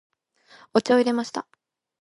お茶を入れました。